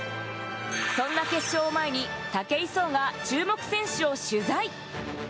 そんな決勝を前に武井壮が注目選手を取材。